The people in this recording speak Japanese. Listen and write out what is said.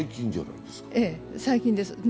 最近です。